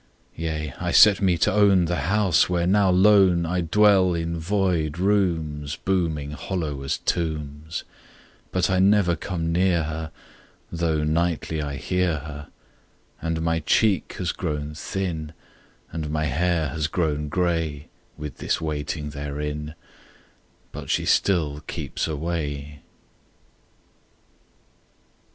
—Yea, I set me to own The house, where now lone I dwell in void rooms Booming hollow as tombs! But I never come near her, Though nightly I hear her. And my cheek has grown thin And my hair has grown gray With this waiting therein; But she still keeps away!